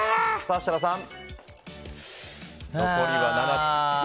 設楽さん、残りは７つ。